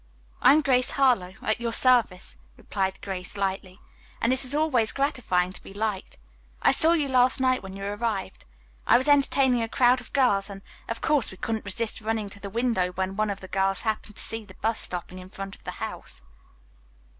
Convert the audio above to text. "I am Grace Harlowe, at your service," replied Grace lightly, "and it is always gratifying to be liked. I saw you last night when you arrived. I was entertaining a crowd of girls, and, of course, we couldn't resist running to the window when one of the girls happened to see the bus stopping in front of the house."